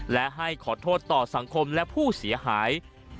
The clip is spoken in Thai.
และให้ขอโทษต่อสังคมและผู้เสียหาย